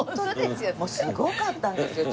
もうすごかったんですよ。